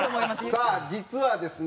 さあ実はですね